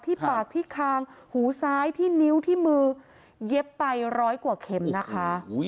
ปากที่คางหูซ้ายที่นิ้วที่มือเย็บไปร้อยกว่าเข็มนะคะ